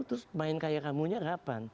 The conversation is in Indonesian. terus main kayak kamu nya kapan